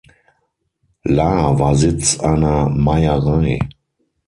Lahr war Sitz einer Meierei.